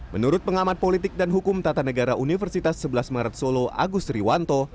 menurut pengamat politik dan hukum tata negara universitas sebelas maret solo agus triwanto